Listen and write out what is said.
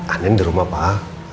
andi di rumah pak